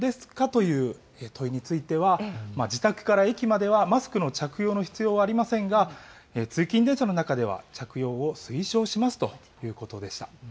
という問いについては、自宅から駅まではマスクの着用の必要はありませんが、通勤電車の中では着用を推奨しますということでした。